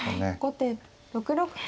後手６六歩。